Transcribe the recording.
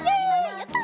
やった！